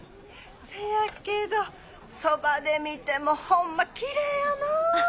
せやけどそばで見てもホンマきれいやな。